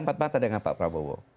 empat mata dengan pak prabowo